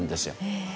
へえ。